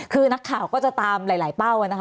คือนักข่าวก็จะตามหลายเป้านะคะ